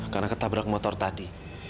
karena ketabrak motor tadi